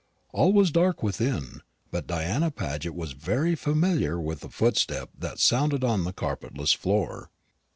All was dark within, but Diana Paget was very familiar with the footstep that sounded on the carpetless floor.